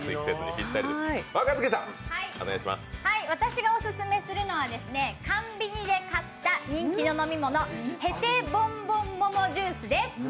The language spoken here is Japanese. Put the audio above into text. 私がおすすめするのは韓ビニで買った人気の飲み物、ヘテボンボン桃ジュースです。